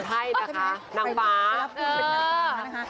นางบา